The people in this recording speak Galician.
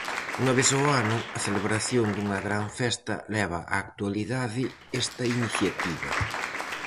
Unha vez ao ano, a celebración dunha gran festa leva á actualidade esta iniciativa.